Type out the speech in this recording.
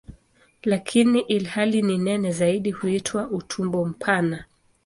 Lakini ilhali ni nene zaidi huitwa "utumbo mpana".